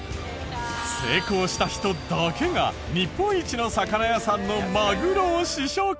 成功した人だけが日本一の魚屋さんのマグロを試食。